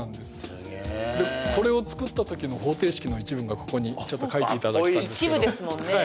すげえこれを作った時の方程式の一文がここにちょっと書いていただけた一部ですもんね